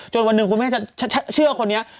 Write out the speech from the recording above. วันหนึ่งคุณแม่จะเชื่อคนนี้